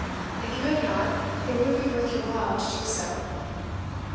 If you have not, it would be worth your while to do so.